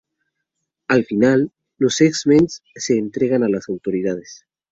Al final, los X-Men se entregan a las autoridades.